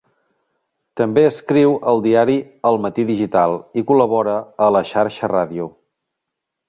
També escriu al diari El Matí Digital i col·labora a La Xarxa Ràdio.